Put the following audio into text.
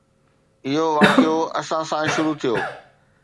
اهو واقعو اسان سان شروع ٿيو.